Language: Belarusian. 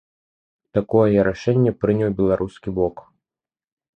Такое рашэнне прыняў беларускі бок.